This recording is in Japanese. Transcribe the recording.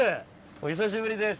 お久しぶりです。